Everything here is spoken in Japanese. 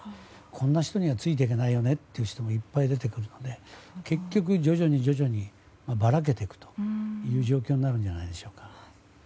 こんな人にはついていけないよねという人もいっぱい出てくるので結局、徐々に徐々にばらけていくという状況になるんじゃないでしょうか。